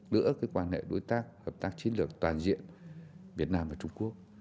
lửa quan hệ đối tác hợp tác chiến lược toàn diện việt nam trung quốc